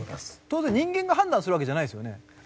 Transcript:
当然人間が判断するわけじゃないですよね。